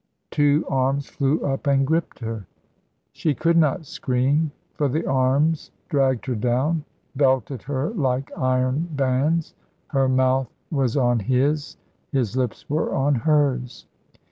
Two arms flew up and gripped her. She could not scream, for the arms dragged her down, belted her like iron bands. Her mouth was on his, his lips were on hers.